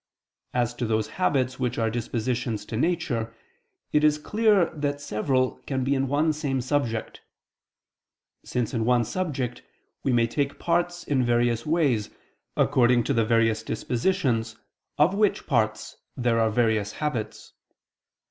As to those habits which are dispositions to nature, it is clear that several can be in one same subject: since in one subject we may take parts in various ways, according to the various dispositions of which parts there are various habits.